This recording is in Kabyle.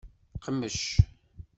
Qmec.